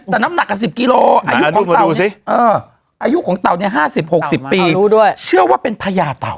แต่น้ำหนักกัน๑๐กิโลอายุของเตาเนี่ย๕๐๖๐ปีเชื่อว่าเป็นพญาเตา